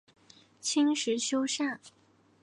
清时修缮。